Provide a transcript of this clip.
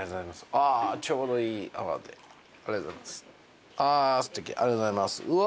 ありがとうございますうわ。